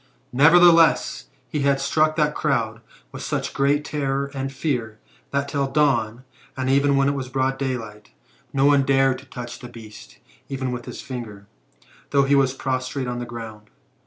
Nevertheless, he had struck that crowd with such great terror and fear, that till the dawn, and even when it was broad day, no one dared to touch the beast, even with his finger, though he was prostrate on the ground.